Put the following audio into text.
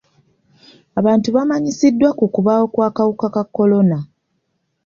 Abantu bamanyisiddwa ku kubaawo kw'akawuka ka kolona.